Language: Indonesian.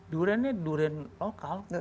duranenya durian lokal